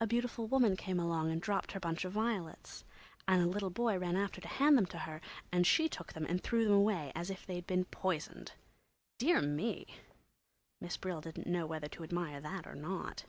A beautiful woman came along and dropped her bunch of violets, and a little boy ran after to hand them to her, and she took them and threw them away as if they'd been poisoned. Dear me! Miss Brill didn't know whether to admire that or not!